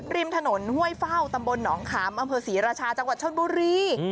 ริมถนนห้วยเฝ้าตำบลหนองขามอำเภอศรีราชาจังหวัดชนบุรี